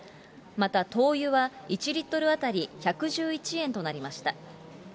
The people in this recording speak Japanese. また、灯油は１リットル当たり１１１円となりました。